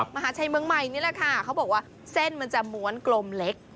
มหาชัยเมืองใหม่นี่แหละค่ะเขาบอกว่าเส้นมันจะม้วนกลมเล็ก